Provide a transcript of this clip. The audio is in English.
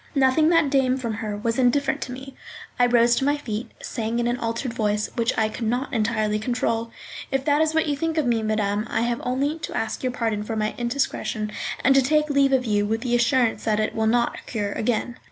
Nothing that came from her was indifferent to me. I rose to my feet, saying in an altered voice, which I could not entirely control: "If that is what you think of me, madame, I have only to ask your pardon for my indiscretion, and to take leave of you with the assurance that it shall not occur again."